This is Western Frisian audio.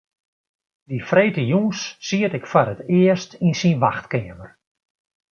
Dy freedtejûns siet ik foar it earst yn syn wachtkeamer.